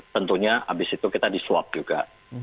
tentunya habis itu kita disuap juga